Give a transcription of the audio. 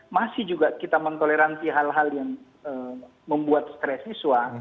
masih juga kita mentoleransi hal hal yang membuat stres siswa